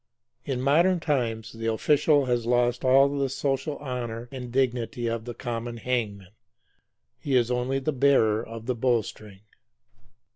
In modern times the official has lost all the social honor and dignity of the common hangman. He is only the bearer of the bowstring.